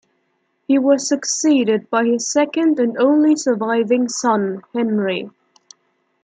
He was succeeded by his second and only surviving son, Henry.